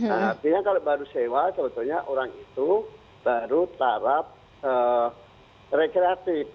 nah artinya kalau baru sewa sebetulnya orang itu baru tarap rekreatif